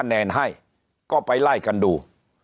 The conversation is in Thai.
แนนให้ก็ไปไล่กันดู